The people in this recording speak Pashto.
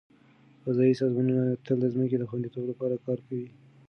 فضایي سازمانونه تل د ځمکې د خوندیتوب لپاره کار کوي.